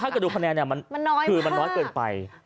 ถ้าเกิดดูคะแนนขื่อมันน้อยเกินไป